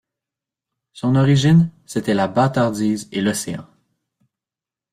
Son origine, c’était la bâtardise et l’océan.